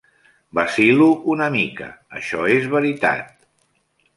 Vacil·lo una mica, això és veritat.